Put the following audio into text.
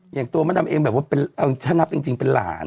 อย่างตัวมะดำเองแบบว่าถ้านับจริงเป็นหลาน